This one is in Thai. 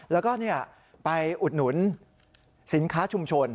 แล้วก็ไปอุดหนุนสินค้าชุมชน